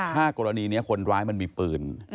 ถ้ากรณีนี้คนร้ายมันมีปืน